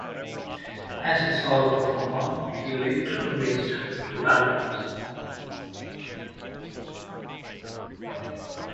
As a solo performer, he later released two albums.